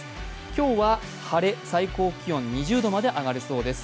今日は晴れ、最高気温２０度まで上がるそうです。